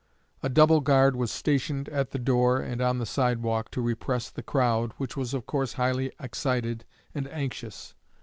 A double guard was stationed at the door and on the sidewalk, to repress the crowd, which was of course highly excited and anxious.